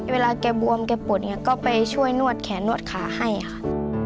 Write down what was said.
เวลาแกบวมแกปุดก็ไปช่วยนวดแขนนวดขาให้ค่ะ